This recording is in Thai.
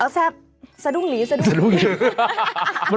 เอ่อแซบซะดุ้งหลีซะดุ้งหลี